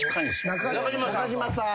中島さん。